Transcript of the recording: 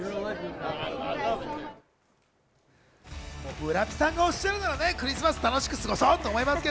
ブラピさんがおっしゃるなら、クリスマス楽しく過ごそうと思います。